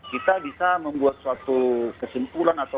kita bisa membuat suatu kesimpulan atau